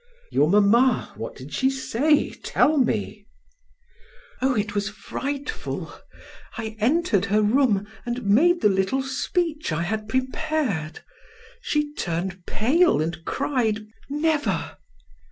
"Your mamma? What did she say? Tell me!" "Oh, it was frightful! I entered her room and made the little speech I had prepared. She turned pale and cried: 'Never!'